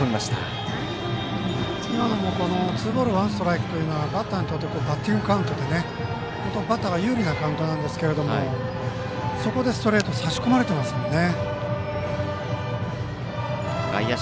今のもツーボールワンストライクというのはバッティングカウントでバッターが有利なカウントなんですけどそこでストレート差し込まれてますからね。